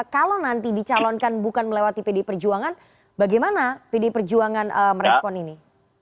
kalau nanti dicalonkan bukan melewati pdi perjuangan bagaimana pdi perjuangan merespon ini